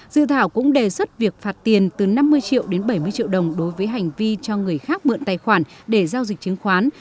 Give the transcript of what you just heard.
dự thảo cũng đề xuất việc phạt tiền từ năm mươi triệu đến bảy mươi triệu đồng đối với hành vi cho người khác mượn tài khoản để giao dịch chứng khoán